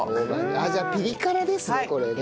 じゃあピリ辛ですねこれね。